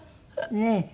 ねえ。